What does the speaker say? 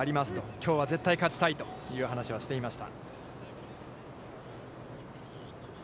きょうは絶対勝ちたいという話はしていました。